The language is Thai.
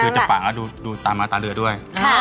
คือจะปะก็ดูตาตาเรือด้วย